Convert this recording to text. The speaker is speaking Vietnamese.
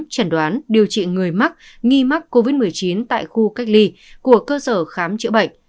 chẩn đoán điều trị người mắc nghi mắc covid một mươi chín tại khu cách ly của cơ sở khám chữa bệnh